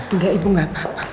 enggak ibu gapapa